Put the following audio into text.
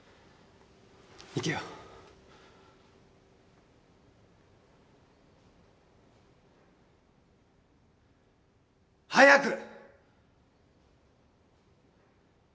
行けよ。早く！